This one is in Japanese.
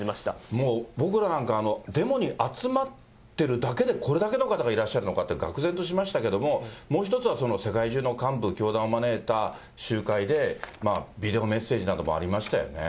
もう、僕らなんかデモに集まってるだけでこれだけの方がいらっしゃるのかって、がく然としましたけれども、もう一つは世界中の幹部、教団を招いた集会でビデオメッセージなどもありましたよね。